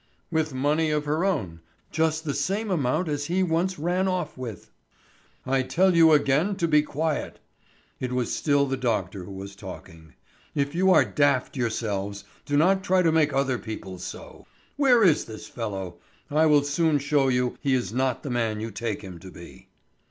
"With money of her own. Just the same amount as he once ran off with." "I tell you again to be quiet." It was still the doctor who was talking. "If you are daft yourselves, do not try to make other people so! Where is this fellow? I will soon show you he is not the man you take him to be."